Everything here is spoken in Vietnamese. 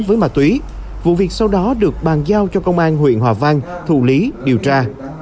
với mà túy vụ việc sau đó được bàn giao cho công an huyện hòa văn thủ lý điều tra